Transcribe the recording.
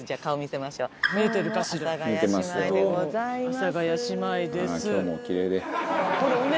阿佐ヶ谷姉妹です。